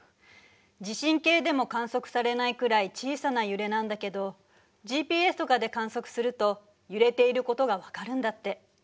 地震計でも観測されないくらい小さな揺れなんだけどＧＰＳとかで観測すると揺れていることが分かるんだって。